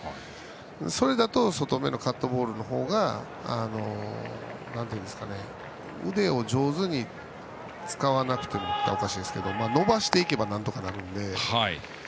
それだと外めのカットボールの方が腕を上手に使わなくてもって言ったらおかしいですけど伸ばしていけばなんとかなるので。